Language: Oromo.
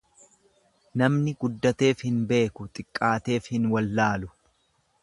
Namni guddateef hin beeku, xiqqaateef hin wallaalu.